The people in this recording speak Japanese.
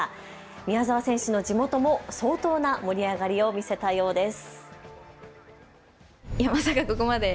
宮澤選手の地元も相当な盛り上がりを見せたようです。